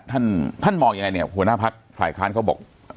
ท่านท่านมองยังไงเนี่ยหัวหน้าพักฝ่ายค้านเขาบอก